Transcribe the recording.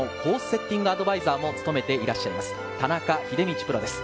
セッティングアドバイザーも務めていらっしゃいます、田中秀道プロです。